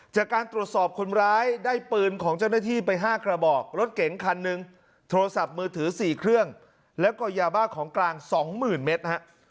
จากการตรวจสอบคนร้ายได้ปืนของเจ้าหน้าที่ไป๕กระบอกรถเก๋งคันหนึ่งโทรศัพท์มือถือ๔เครื่องแล้วก็ยาบ้าของกลาง๒๐๐๐เมตรฮะ